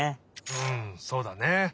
うんそうだね。